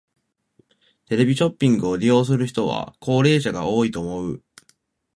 テレビショッピングを利用する人は高齢者が多いと思う。